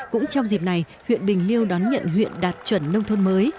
cũng trong dịp này huyện bình liêu đón nhận huyện đạt chuẩn nông thôn mới